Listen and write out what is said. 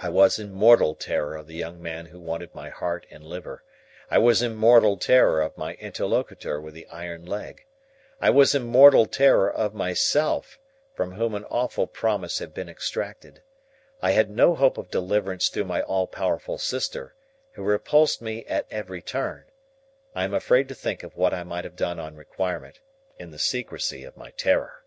I was in mortal terror of the young man who wanted my heart and liver; I was in mortal terror of my interlocutor with the iron leg; I was in mortal terror of myself, from whom an awful promise had been extracted; I had no hope of deliverance through my all powerful sister, who repulsed me at every turn; I am afraid to think of what I might have done on requirement, in the secrecy of my terror.